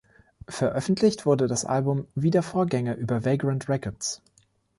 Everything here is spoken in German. Veröffentlicht wurde das Album, wie der Vorgänger über Vagrant Records.